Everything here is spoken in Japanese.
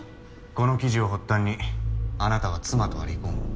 この記事を発端にあなたは妻とは離婚。